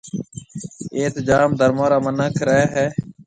ايٿ جام ڌرمون را منک رَي ھيََََ